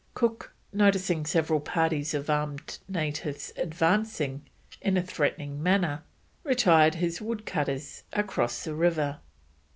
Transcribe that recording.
Cook, noticing several parties of armed natives advancing in a threatening manner, retired his woodcutters across the river.